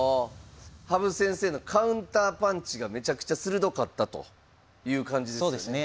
羽生先生のカウンターパンチがめちゃくちゃ鋭かったという感じですね。